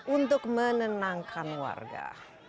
untuk menenangkan warga